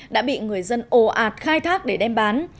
đã bị người dân ồ ạt khai thác để đem bán